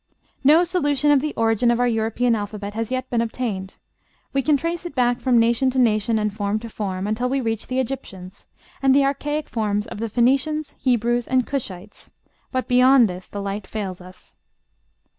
No solution of the origin of our European alphabet has yet been obtained: we can trace it back from nation to nation, and form to form, until we reach the Egyptians, and the archaic forms of the Phoenicians, Hebrews, and Cushites, but beyond this the light fails us.